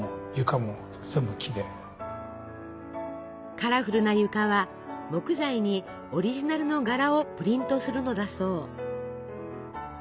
カラフルな床は木材にオリジナルの柄をプリントするのだそう。